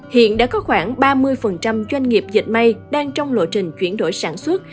hiện đã có khoảng ba mươi doanh nghiệp dịch may đang trong lộ trình chuyển đổi sản xuất